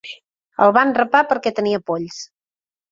El van rapar perquè tenia polls.